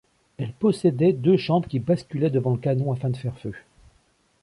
Elle possédait deux chambres qui basculaient devant le canon afin de faire feu.